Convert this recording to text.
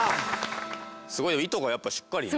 すごいよ糸がやっぱりしっかりね。